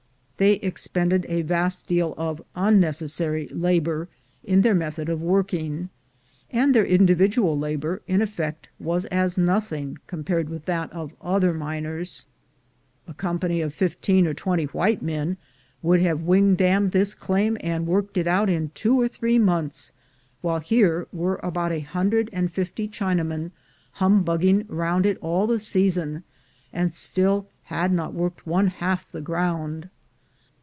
They expended a vast deal of unnecessary labor in their method of working, and their individual labor, in effect, was as nothing compared with that of other miners. A company of fifteen or twenty white men would have wing dammed this claim, and worked it out in two or three months, while here CHINESE IN THE EARLY DAYS 255 were about a hundred and fifty Chinamen humbug ging round it all the season, and still had not worked one half the ground.